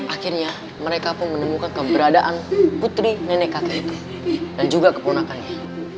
akhirnya mereka pun menemukan keberadaan putri nenek kakek dan juga keponakannya